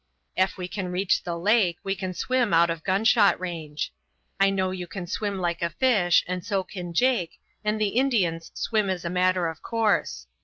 Ef we can reach the lake, we can swim out of gunshot range. I know you can swim like a fish, and so can Jake, and the Indians swim as a matter of course.